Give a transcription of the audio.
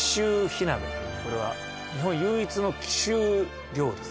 これは日本唯一の貴州料理